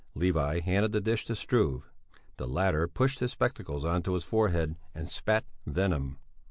Levi handed the dish to Struve. The latter pushed his spectacles on to his forehead and spat venom.